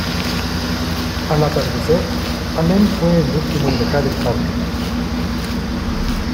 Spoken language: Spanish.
Al atardecer, Alem fue el último en dejar el Parque.